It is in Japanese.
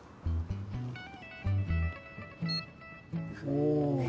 お。